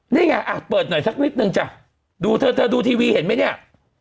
เนี่ยไงอะเปิดหน่อยสักลิดนึงจะดูเธอตัวดูทีวีเห็นมั้ยเนี่ย